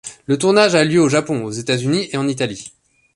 Le tournage a lieu au Japon, aux États-Unis et en Italie.